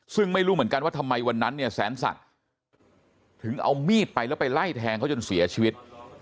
ซึ่งไม่รู้เหมือนกันว่าทำไมวันนั้นเนี่ยแสนศักดิ์ถึงเอามีดไปแล้วไปไล่แทงเขาจนเสียชีวิต